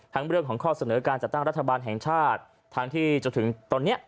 เรื่องของข้อเสนอการจัดตั้งรัฐบาลแห่งชาติทั้งที่จนถึงตอนนี้